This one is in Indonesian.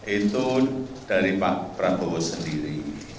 itu dari pak prabowo sendiri